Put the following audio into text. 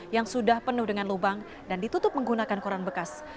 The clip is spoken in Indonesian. yang sudah penuh dengan lubang dan ditutup menggunakan koran bekas